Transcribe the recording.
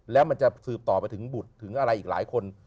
แล้วมันจะสืบต่อไปถึงบุตรถึงอะไรอีกหลายคน